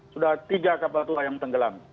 sudah tiga kapal tua yang tenggelam